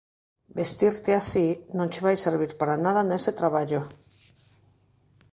Vestirte así non che vai servir para nada nese traballo.